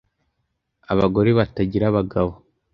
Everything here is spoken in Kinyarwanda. Abagore batagira abagabo.